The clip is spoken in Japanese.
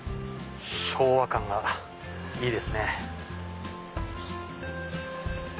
昭和感がいいですね。